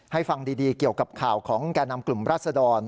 ฟังดีเกี่ยวกับข่าวของแก่นำกลุ่มราชดร